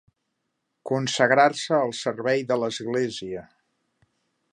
Consagrar-se al servei de l'Església.